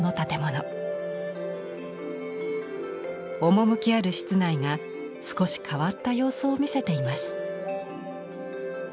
趣ある室内が少し変わった様子を見せています。